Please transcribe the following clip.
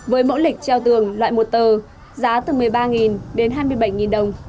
với mẫu lịch treo tường loại một tờ giá từ một mươi ba đến hai mươi bảy đồng